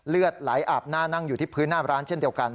เลือดไหลอาบหน้านั่งอยู่ที่พื้นหน้าร้านเช่นเดียวกัน